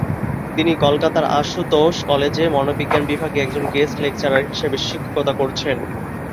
তিনি কলকাতার আশুতোষ কলেজে মনোবিজ্ঞান বিভাগে একজন গেস্ট লেকচারার হিসেবে শিক্ষকতা করছেন।